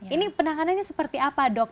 ini penanganannya seperti apa dok